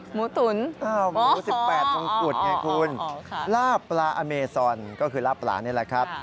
หมูสิบแปดมงกุฎไงคุณล่าปลาอเมซอนก็คือล่าปลานี่แหละครับ